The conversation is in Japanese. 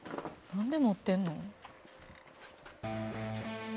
何で持ってんの？